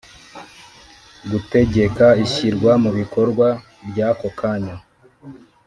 Gutegeka Ishyirwa Mu Bikorwa Ry Ako Kanya